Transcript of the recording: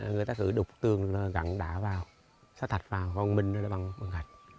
người ta cứ đục tường gắn đá vào xao thạch vào vòng mình ra đây bằng gạch